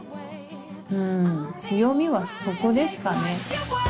ん強みはそこですかね。